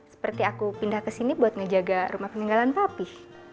seperti aku pindah ke sini buat ngejaga rumah peninggalan papih